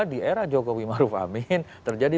di era jokowi maruf amin terjadi